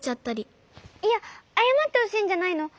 いやあやまってほしいんじゃないの。